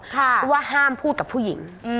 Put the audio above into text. คือว่าห้ามพูดกับผู้หญิง